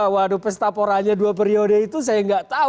waduh pesta poranya dua periode itu saya nggak tahu